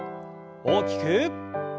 大きく。